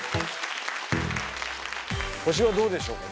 星はどうでしょうか？